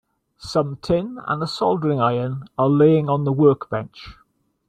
Some tin and a soldering iron are laying on the workbench.